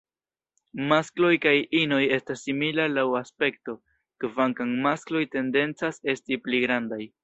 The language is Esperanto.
Maskloj kaj inoj estas similaj laŭ aspekto, kvankam maskloj tendencas esti pli grandaj.